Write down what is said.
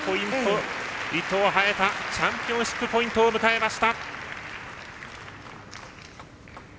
伊藤、早田チャンピオンシップポイントを迎えました。